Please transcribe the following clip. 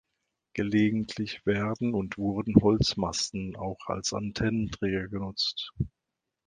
Gelegentlich werden und wurden Holzmasten auch als Antennenträger genutzt.